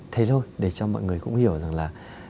thế thôi để cho mọi người cũng hiểu rằng là